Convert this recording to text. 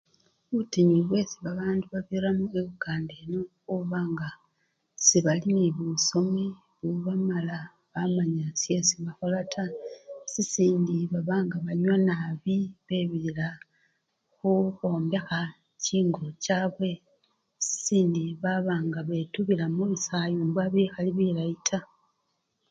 Butinyu bwesi babandu babiramo ebukanda eno khuba nga sebali nende busomi bubamala bamanya shesi bakhola taa sisind baba nga banywa nabii bebilila khuu khwombekha chingo chabwe sisindi baba nga betubila mubisayumba bikhali bilayi taa.